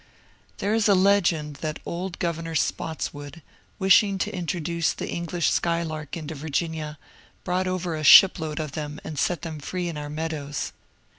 There is a legend that old Grovemor Spottswood, wishing to introduce the English skylark into Virginia, brought over a shipload of them and set them free in our meadows.